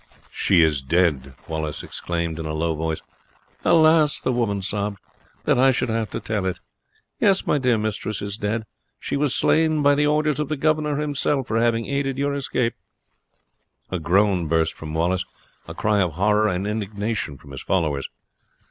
"She is dead!" Wallace exclaimed in a low voice. "Alas!" the woman sobbed, "that I should have to tell it. Yes, my dear mistress is dead; she was slain by the orders of the governor himself, for having aided your escape." A groan burst from Wallace, a cry of horror and indignation from his followers.